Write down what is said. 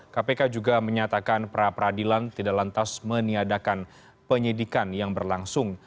kpk juga menyatakan pra peradilan tidak lantas meniadakan penyidikan yang berlangsung